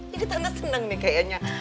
jadi tante seneng nih kayaknya